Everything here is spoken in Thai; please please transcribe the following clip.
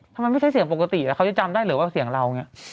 ทำไมไม่ใช่เสียงปกติอาจจะจำได้เหลือว่าเสียงเรา